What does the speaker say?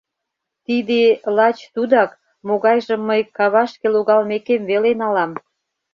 Тиде лач тудак, могайжым мый кавашке логалмекем веле налам.